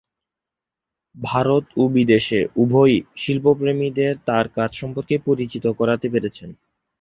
ভারত ও বিদেশে উভয়ই শিল্প প্রেমীদের তার কাজ সম্পর্কে পরিচিত করাতে পেরেছেন।